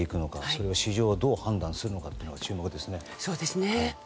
それを市場はどう判断するのか注目ですね。